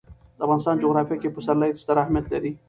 د افغانستان جغرافیه کې پسرلی ستر اهمیت لري.